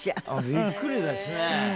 びっくりですね。